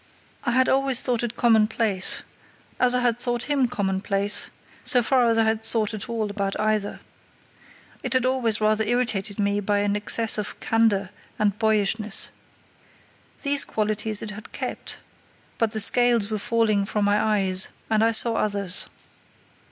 I had always thought it commonplace, as I had thought him commonplace, so far as I had thought at all about either. It had always rather irritated me by an excess of candour and boyishness. These qualities it had kept, but the scales were falling from my eyes, and I saw others.